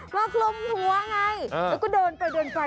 มาครบหัวไง